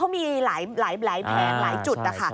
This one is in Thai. มีหลายแผงหลายจุด